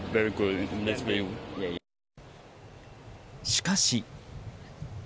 しかし。